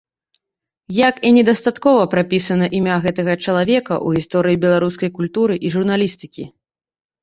Як і недастаткова прапісана імя гэтага чалавека ў гісторыі беларускай культуры і журналістыкі.